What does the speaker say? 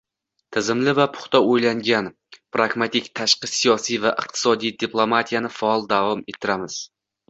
Tizimli va puxta o‘ylangan, pragmatik tashqi siyosiy va iqtisodiy diplomatiyani faol davom ettiramiz.